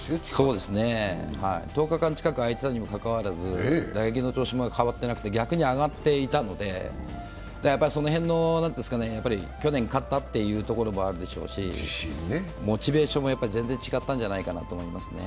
１０日間近く空いたにもかかわらず、打撃の調子も逆に上がっていたので、去年勝ったというところもあるでしょうし、モチベーションも全然違ったんじゃないかなと思いますね。